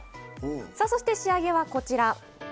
さあそして仕上げはこちら。